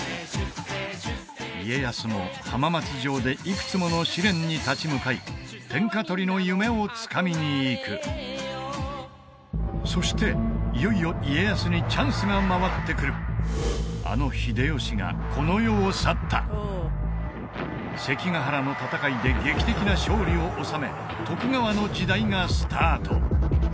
家康も浜松城でいくつもの試練に立ち向かい天下取りの夢をつかみにいくそしていよいよ家康にチャンスが回ってくるあの秀吉がこの世を去った関ヶ原の戦いで劇的な勝利を収め徳川の時代がスタート